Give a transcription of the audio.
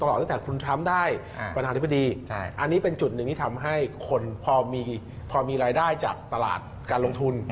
ตั้งแต่คุณทรัมป์ได้ประธานธิบดีอันนี้เป็นจุดหนึ่งที่ทำให้คนพอมีรายได้จากตลาดการลงทุน